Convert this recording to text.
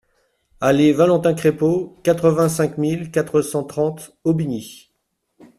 Allée Valentin Craipeau, quatre-vingt-cinq mille quatre cent trente Aubigny